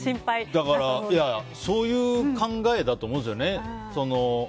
だから、そういう考えだと思うんですよね。